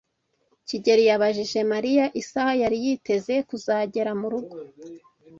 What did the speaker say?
kigeli yabajije Mariya isaha yari yiteze kuzagera murugo.